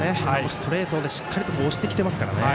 ストレートでしっかりと押してきてますからね。